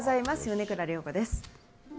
米倉涼子です。